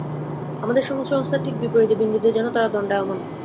আমাদের সমাজ-সংস্থার ঠিক বিপরীত বিন্দুতে যেন তাঁরা দণ্ডায়মান।